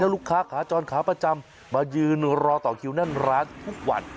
ลูกค้าขาจรขาประจำมายืนรอต่อคิวแน่นร้านทุกวัน